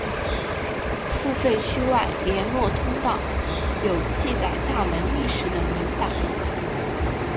付费区外联络通道有记载大门历史的铭版。